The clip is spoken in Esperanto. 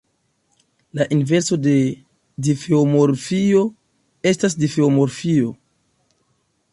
La inverso de difeomorfio estas difeomorfio.